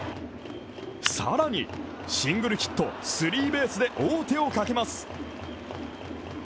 シングルヒット、スリーベースで王手をかけます。